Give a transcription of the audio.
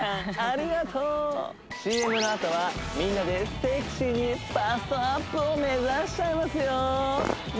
ありがとうＣＭのあとはみんなでセクシーにバストアップを目指しちゃいますよ